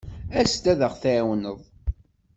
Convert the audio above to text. As-d ad aɣ-tɛawneḍ.